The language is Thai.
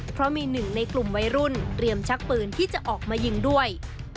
เพราะมีหนึ่งในกลุ่มวัยรุ่นเตรียมชักปืนที่จะออกมายิงด้วย